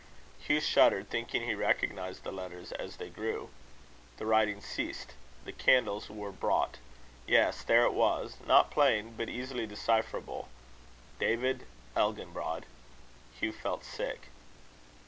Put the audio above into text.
Hugh shuddered, thinking he recognised the letters as they grew. The writing ceased. The candles were brought. Yes; there it was! not plain, but easily decipherable David Elginbrod. Hugh felt sick.